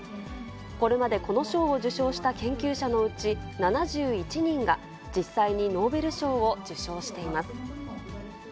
これまでこの賞を受賞した研究者のうち７１人が、実際にノーベル賞を受賞しています。